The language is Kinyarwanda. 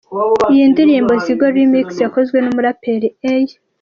Iyi ndirimbo ‘Zigo Remix’ yakozwe n’umuraperi A.